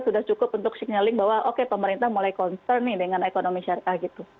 sudah cukup untuk signaling bahwa oke pemerintah mulai concern nih dengan ekonomi syariah gitu